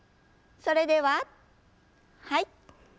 それでははい。